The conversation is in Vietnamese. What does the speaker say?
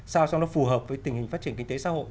sao cho nó phù hợp với tình hình phát triển kinh tế xã hội